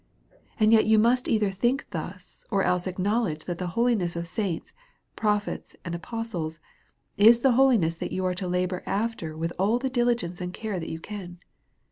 And yet you must either think thus, or else acknowledge that the holiness of saints, prophets, and apostles, is the holiness that you are to labour after with all the diligence and care that you can.